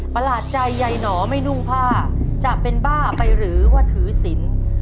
หลาดใจยายหนอไม่นุ่งผ้าจะเป็นบ้าไปหรือว่าถือศิลป์